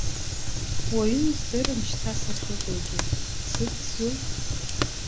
Уаҩы издыруам шьҭа сахьыҟоугьы, сыӡӡоу.